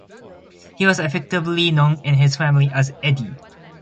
He was affectionately known in his family as 'Edi'.